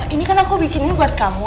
ini kan aku bikin ini buat kamu